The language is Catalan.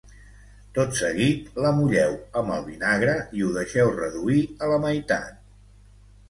Tot seguit la mulleu amb el vinagre i ho deixeu reduir a la meitat